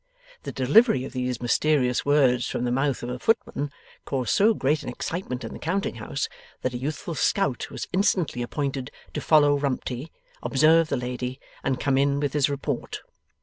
The delivery of these mysterious words from the mouth of a footman caused so great an excitement in the counting house, that a youthful scout was instantly appointed to follow Rumty, observe the lady, and come in with his report.